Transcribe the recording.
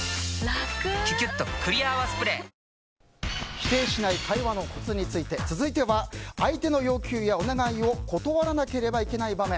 否定しない会話のコツについて続いては、相手の要求やお願いを断らなければいけない場面。